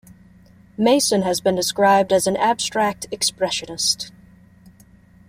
Mason has been described as an abstract expressionist.